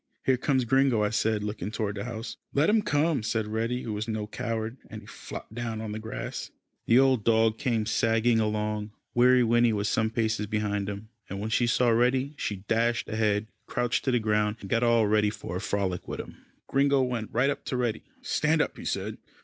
"Here comes Gringo," I said, looking toward the house. "Let him come," said Reddy, who was no coward, and he flopped down on the grass. The old dog came sagging along. Weary Winnie was some paces behind him, and when she saw Reddy she dashed ahead, crouched to the ground, and got all ready for a frolic with him. Gringo went right up to Reddy. "Stand up," he said.